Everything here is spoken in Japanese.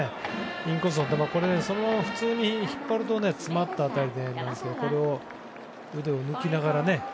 インコースの球そのまま普通に引っ張ると詰まった当たりなんですけど腕を抜きながら。